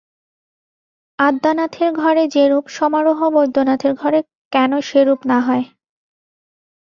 আদ্যানাথের ঘরে যেরূপ সমারোহ বৈদ্যনাথের ঘরে কেন সেরূপ না হয়।